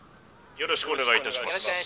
「よろしくお願いします」。